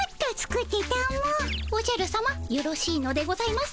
おじゃるさまよろしいのでございますか？